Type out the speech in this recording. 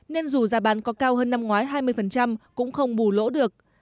nên dù giá bán có cao hơn năm ngoái hai mươi cũng không bù lỗ được